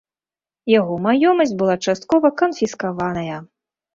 Яго маёмасць была часткова канфіскаваная.